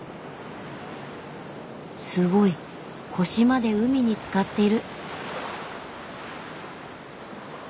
すごい腰まで海につかっている。